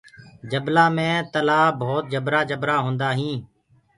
جبلآ مي تلآه ڀوت جبرآ جبرآ هوندآ هينٚ۔